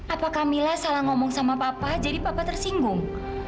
apa kamila salah ngomong sama papa jadi papa tersinggung